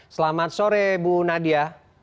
selamat sore bu nadia